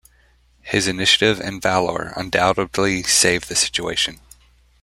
His initiative and valour undoubtedly saved the situation.